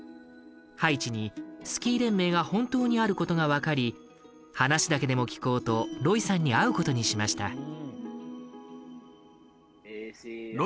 ハイチにスキー連盟が本当にあることが分かり話だけでも聞こうとロイさんに会うことにしました。